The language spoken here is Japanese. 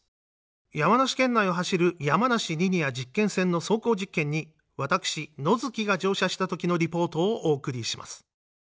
山梨県内を走る山梨リニア実験線の走行実験に私野月が乗車した時のリポートをお送りします。